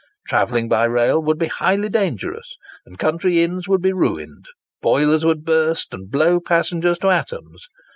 Travelling by rail would be highly dangerous, and country inns would be ruined. Boilers would burst and blow passengers to atoms.